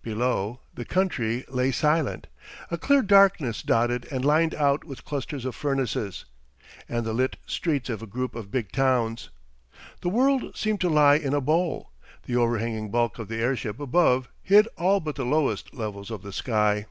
Below, the country lay silent, a clear darkness dotted and lined out with clusters of furnaces, and the lit streets of a group of big towns. The world seemed to lie in a bowl; the overhanging bulk of the airship above hid all but the lowest levels of the sky.